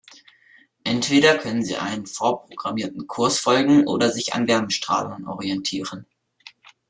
Entweder können sie einem vorprogrammierten Kurs folgen oder sich an Wärmestrahlern orientieren.